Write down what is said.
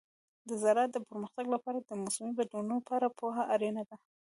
د زراعت پرمختګ لپاره د موسمي بدلونونو په اړه پوهه اړینه ده.